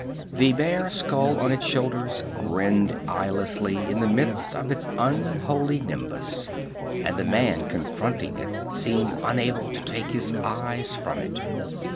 The bare skull on its shoulders grinned eyelessly, in the midst of its unholy nimbus, and the man confronting it seemed unable to take his eyes from it.